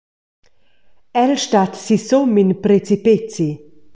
El stat sisum in precipezi.